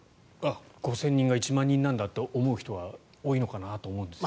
５０００人が１万人なんだと思う人は多いのかなと思うんですよね。